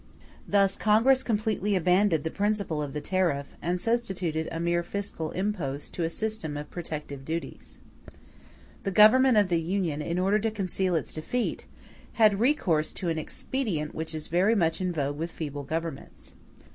*e Thus Congress completely abandoned the principle of the tariff; and substituted a mere fiscal impost to a system of protective duties. *f The Government of the Union, in order to conceal its defeat, had recourse to an expedient which is very much in vogue with feeble governments.